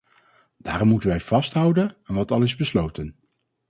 Daarom moeten wij vasthouden aan wat al is besloten.